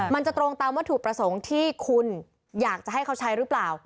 มันจะตรงตามวัตถุประสงค์ที่คุณอยากจะให้เขาใช้หรือเปล่า